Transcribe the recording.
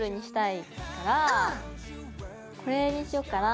これにしようかな。